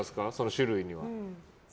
種類には。